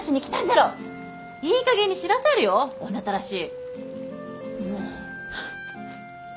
いいかげんにしなされよ女たらし。